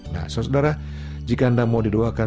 nah saudara jika anda mau didoakan